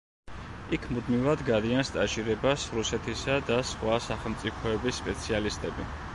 იქ მუდმივად გადიან სტაჟირებას რუსეთისა და სხვა სახელმწიფოების სპეციალისტები.